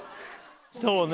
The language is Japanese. そうね。